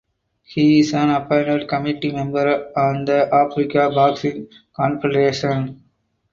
He is an appointed Committee member on the Africa Boxing Confederation.